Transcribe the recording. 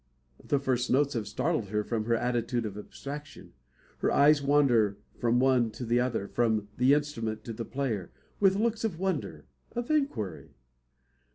The first notes have startled her from her attitude of abstraction. Her eyes wander from one to the other, from the instrument to the player, with looks of wonder of inquiry.